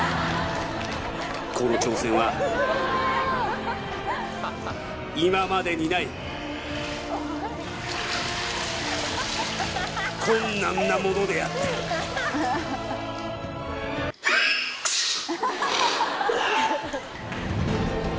この挑戦は今までにない困難なものであったハックシュン！